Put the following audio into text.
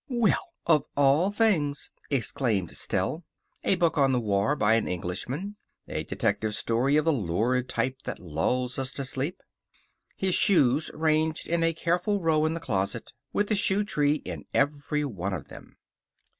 "Well, of all things!" exclaimed Stell. A book on the war, by an Englishman. A detective story of the lurid type that lulls us to sleep. His shoes ranged in a careful row in the closet, with a shoe tree in every one of them.